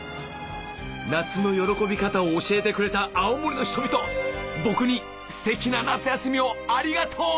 夏の喜び方を教えてくれた青森の人々僕にステキな夏休みをありがとう！